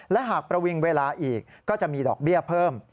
และหากประวิงเวลาอีกก็จะมีดอกเบี้ยเพิ่ม